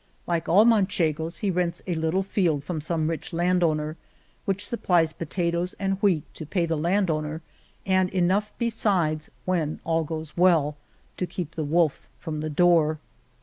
Like all Manchegos, he rents a little field from some rich land owner, which supplies potatoes and wheat to pay the land owner, and enough besides, when all goes well, to keep the wolf from the door.